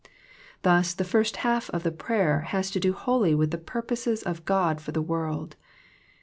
Thus the first half of the prayer has to do wholly with the purposes of God for the world.